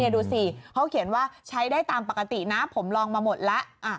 ดูสิเขาเขียนว่าใช้ได้ตามปกตินะผมลองมาหมดแล้ว